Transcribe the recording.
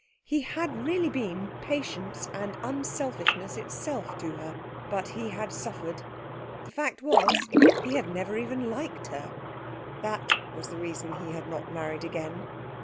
He had really been patience and unselfishness itself to her, but he had suffered. The fact was, he had never even liked her. That was the reason he had not married again.